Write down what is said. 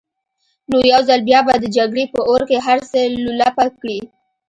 نو يو ځل بيا به د جګړې په اور کې هر څه لولپه کړي.